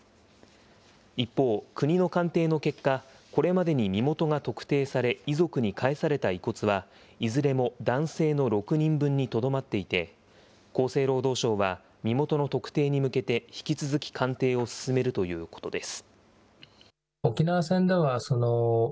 一方、国の鑑定の結果、これまでに身元が特定され、遺族に返された遺骨はいずれも男性の６人分にとどまっていて、厚生労働省は、身元の特定に向けて引き続き鑑定を進めるということです。